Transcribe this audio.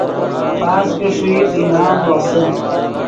پاس کہ ݰوئیت انعام روسے